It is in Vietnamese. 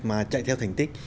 mà chạy theo thành tích